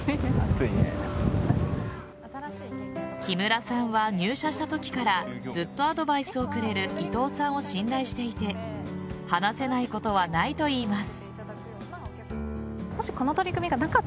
木村さんは入社したときからずっとアドバイスをくれる伊東さんを信頼していて話せないことはないといいます。